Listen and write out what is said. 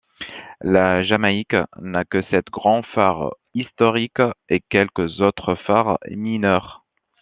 La Jamaïque n'a que sept grands phares historiques et quelques autres phares mineurs.